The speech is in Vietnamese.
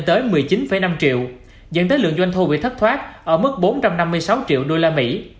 nó tăng lên tới một mươi chín năm triệu dẫn tới lượng doanh thu bị thất thoát ở mức bốn trăm năm mươi sáu triệu đô la mỹ